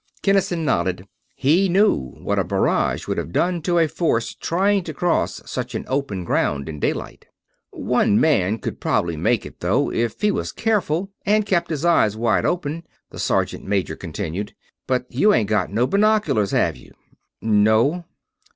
Kinnison nodded. He knew what a barrage would have done to a force trying to cross such open ground in daylight. "One man could prob'ly make it, though, if he was careful and kept his eyes wide open," the sergeant major continued. "But you ain't got no binoculars, have you?" "No."